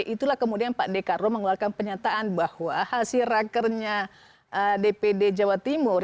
itulah kemudian pak dekarwo mengeluarkan pernyataan bahwa hasil rakernya dpd jawa timur